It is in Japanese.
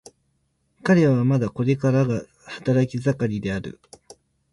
彼はまだこれからが働き盛りである。